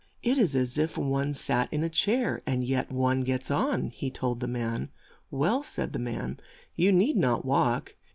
"It is as if one sat in a chair, and yet one gets on," he told the man. "Well," said the man, "You need not walk.